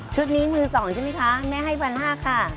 ชุดนี้มือสองใช่ไหมคะแม่ให้๑๕๐๐บาทค่ะ